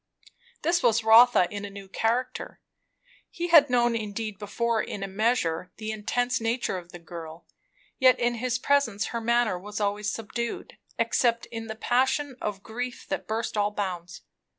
This was Rotha in a new character. He had known indeed before, in a measure, the intense nature of the girl; yet in his presence her manner was always subdued, except in the passion of grief that burst all bounds.